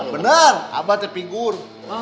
bener abah itu figur